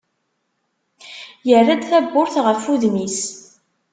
Yerra-d tawwurt ɣef wudem-is.